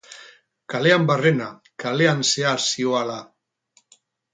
Kalean barrena, kalean zehar zihoala.